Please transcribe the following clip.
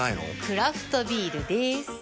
クラフトビールでーす。